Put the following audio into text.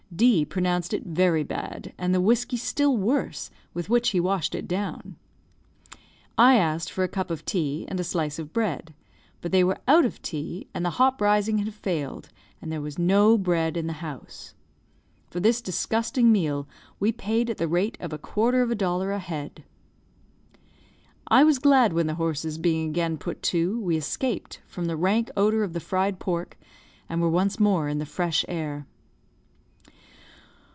D pronounced it very bad, and the whiskey still worse, with which he washed it down. I asked for a cup of tea and a slice of bread. But they were out of tea, and the hop rising had failed, and there was no bread in the house. For this disgusting meal we paid at the rate of a quarter of a dollar a head. I was glad when the horses being again put to, we escaped from the rank odour of the fried pork, and were once more in the fresh air.